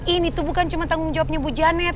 ini tuh bukan cuma tanggung jawabnya bu janet